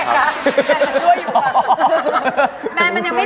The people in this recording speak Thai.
เพิ่งเกลียวกะ๓